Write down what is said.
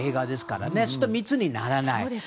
そうすると密にならない。